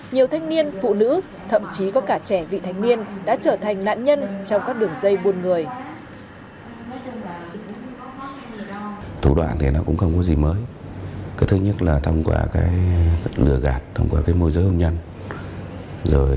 nhiều thanh niên phụ nữ thậm chí có cả trẻ vị thành niên đã trở thành nạn nhân trong các đường dây buôn người